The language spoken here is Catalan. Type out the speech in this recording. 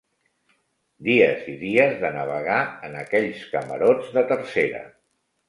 Dies i dies de navegar en aquells camarots de tercera